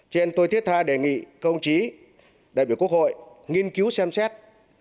cho nên tôi tiết tha đề nghị công chí đại biểu quốc hội nghiên cứu xem xét